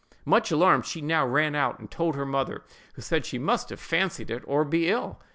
Much alarmed, she now ran out and told her mother, who said she must have fancied it, or be ill.